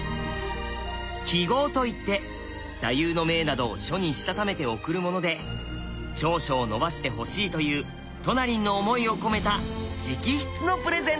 「揮毫」といって座右の銘などを書にしたためて贈るもので長所を伸ばしてほしいというトナリンの思いを込めた直筆のプレゼントです。